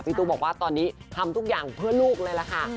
ตุ๊กบอกว่าตอนนี้ทำทุกอย่างเพื่อลูกเลยล่ะค่ะ